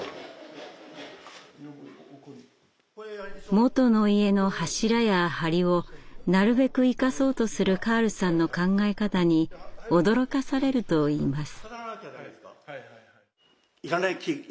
もとの家の柱や梁をなるべく生かそうとするカールさんの考え方に驚かされるといいます。